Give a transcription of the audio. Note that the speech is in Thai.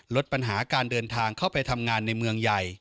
ลดปัญหาการเดินทางเข้าไปทำงานในเมืองใหญ่